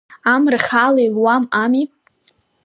Амра хаала илуам ами?